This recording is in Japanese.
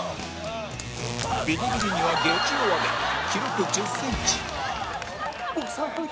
ビリビリには激弱で記録１０センチ